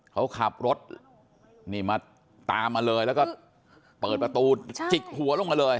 เขาขับรถนี่มาตามมาเลยแล้วก็เปิดประตูจิกหัวลงมาเลย